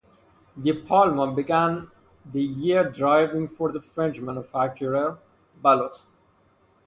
DePalma began the year driving for the French manufacturer, Ballot.